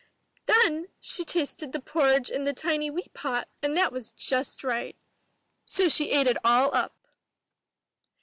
Then she tasted the porridge in the tiny wee pot and that was just right. So she ate it all up!